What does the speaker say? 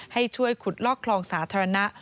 ให้ช่วยขุดลอกคลองสาธารณะ